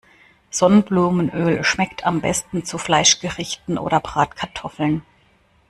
Sonnenblumenöl schmeckt am besten zu Fleischgerichten oder Bratkartoffeln.